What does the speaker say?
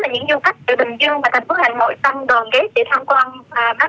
đó là những du khách từ bình dương và thành phố hà nội xăm đòn ghế để thăm quan bác đạo cù lao tràm